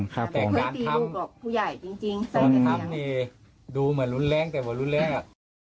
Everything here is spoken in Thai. ครับผมแต่การทำตอนนั้นดูเหมือนรุนแรงแต่ว่ารุนแรง